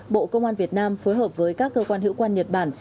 bộ công an việt nam phối hợp với các cơ quan hữu quan nhật bản